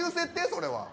それ。